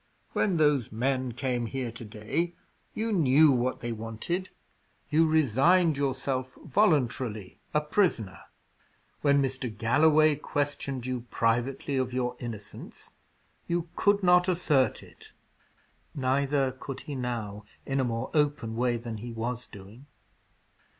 When those men came here to day, you knew what they wanted; you resigned yourself, voluntarily, a prisoner. When Mr. Galloway questioned you privately of your innocence, you could not assert it." Neither could he now in a more open way than he was doing.